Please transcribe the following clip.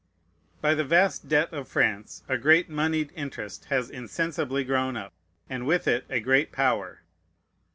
By the vast debt of France a great moneyed interest has insensibly grown up, and with it a great power.